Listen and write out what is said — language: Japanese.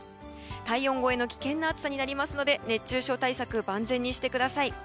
体温超えの危険な暑さになりますので熱中症対策万全にしてください。